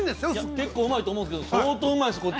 ◆結構うまいと思うけど、相当うまいです、こっち。